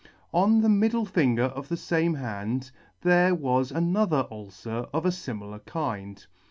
On the middle finger of the fame hand there was another ulcer of a fimilar kind.